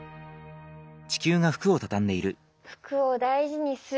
服を大事にする！